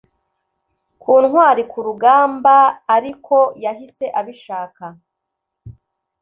Ku ntwari-ku rugambaariko yahise abishaka